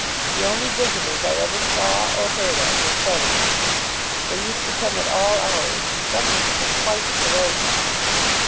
The only visitors I ever saw, or heard of, were creditors. THEY used to come at all hours, and some of them were quite ferocious.